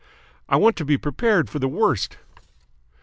I want to be prepared for the worst."